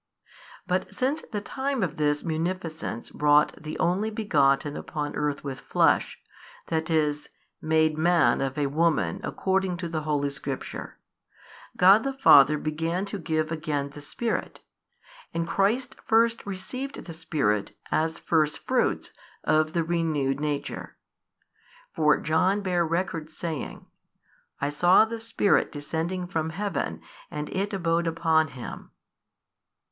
But since the time of this munificence brought the Only Begotten upon earth with Flesh, that is, made Man of a woman according to the Holy Scripture, God the Father began to give again the Spirit, and Christ first received the Spirit as First fruits of the renewed nature. For John bare record saying, I saw the Spirit descending from Heaven and It abode upon Him.